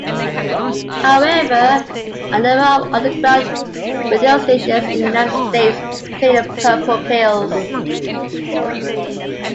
However, a number of underground radio stations in the United States played "Purple Pills".